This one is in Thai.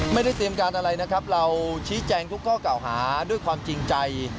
ไม่ได้เตรียมการอะไรนะครับเราชี้แจงทุกข้อเก่าหาด้วยความจริงใจ